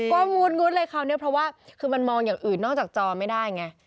ก็งุดเลยคราวนี้เพราะว่าคือมันมองอย่างอื่นนอกจากจอไม่ได้ไง